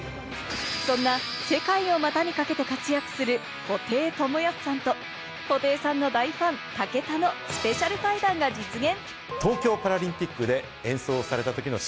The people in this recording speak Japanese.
そんな世界を股にかけて活躍する布袋寅泰さんと布袋さんの大ファン、武田のスペシャル対談が実現。